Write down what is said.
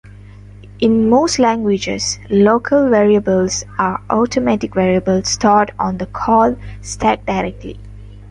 In most languages, local variables are automatic variables stored on the call stack directly.